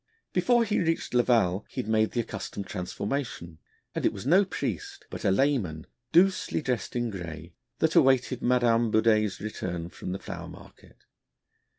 Before he reached Laval he had made the accustomed transformation, and it was no priest, but a layman, doucely dressed in grey, that awaited Mme. Bourdais' return from the flower market.